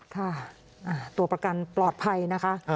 ค่ะตัวประกันปลอดภัยนะคะ